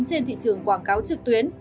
trên thị trường quảng cáo trực tuyến